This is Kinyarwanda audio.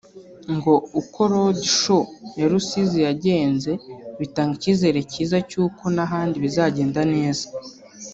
ngo uko Road show ya Rusizi yagenze bitanga icyizere cyiza cy’uko n’ahandi bizagenda neza